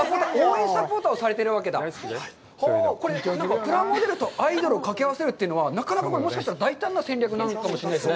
これ、プラモデルとアイドルをかけ合わせるというのは、なかなかもしかしたら、大胆な戦略かもしれないですね。